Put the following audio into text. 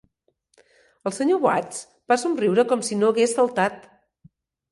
El Sr. Watts va somriure com si no hagués saltat.